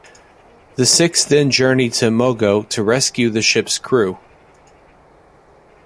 The six then journey to Mogo to rescue the ship's crew.